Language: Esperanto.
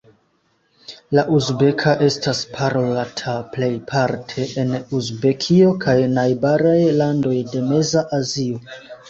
La uzbeka estas parolata plejparte en Uzbekio kaj najbaraj landoj de Meza Azio.